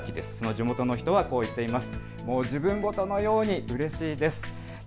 地元の人はこう言っています。